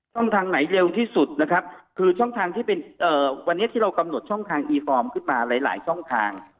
ทางไหนเร็วที่สุดนะครับคือช่องทางที่เป็นวันนี้ที่เรากำหนดช่องทางอีฟอร์มขึ้นมาหลายช่องทาง